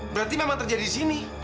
berarti memang terjadi disini